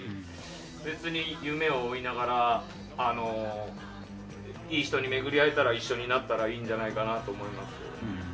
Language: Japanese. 別に夢を追いながらいい人に巡り会えたら一緒になったらいいんじゃないかなと思います。